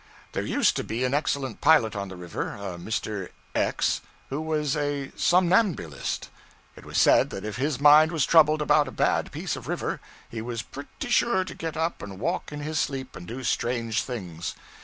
There used to be an excellent pilot on the river, a Mr. X., who was a somnambulist. It was said that if his mind was troubled about a bad piece of river, he was pretty sure to get up and walk in his sleep and do strange things.